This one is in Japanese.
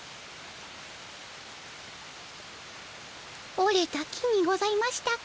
おれた木にございましたか。